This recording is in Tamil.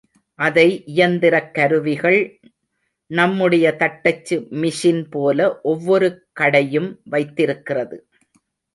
அதை இயந்திரக் கருவிகள் நம்முடைய தட்டச்சு மிஷின்போல ஒவ்வொரு கடையும் வைத்திருக்கிறது.